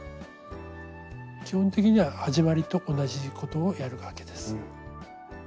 基本的には始まりと同じことをやるわけです。